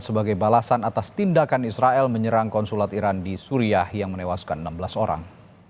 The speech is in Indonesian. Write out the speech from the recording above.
sebagai balasan atas tindakan israel menyerang konsulat iran di suriah yang menewaskan enam belas orang